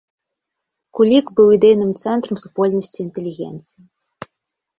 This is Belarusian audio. Кулік быў ідэйным цэнтрам супольнасці інтэлігенцыі.